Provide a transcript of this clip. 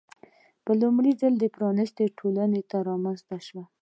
په لومړي ځل پرانیستې ټولنه رامنځته شوه.